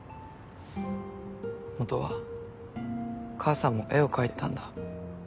ホントは母さんも絵を描いてたんだ。